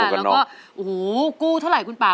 แล้วก็กู้เท่าไหร่คุณป่า